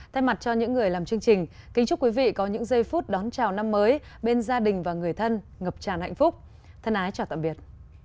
thân ái chào tạm biệt